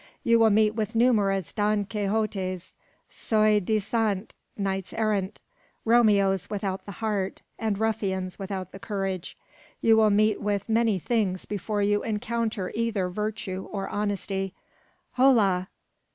You will meet with numerous Don Quixotes, soi disant knights errant, Romeos without the heart, and ruffians without the courage. You will meet with many things before you encounter either virtue or honesty. Hola!